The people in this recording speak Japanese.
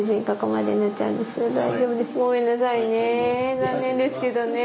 残念ですけどね。ね。